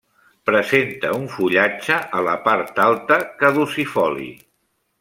Presenta un fullatge, a la part alta, caducifoli.